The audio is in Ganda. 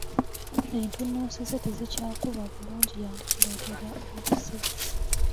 Entunnunsi ze tezikyakuba bulungi yandituleetera obuzibu.